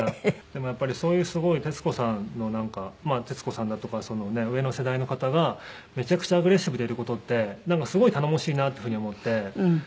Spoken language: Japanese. でもやっぱりそういうすごい徹子さんのなんか徹子さんだとか上の世代の方がめちゃくちゃアグレッシブでいる事ってなんかすごい頼もしいなっていうふうに思って。